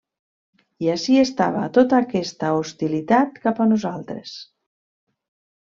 I ací estava tota aquesta hostilitat cap a nosaltres.